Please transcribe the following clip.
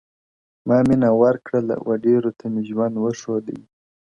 o ما مينه ورکړله. و ډېرو ته مي ژوند وښودئ.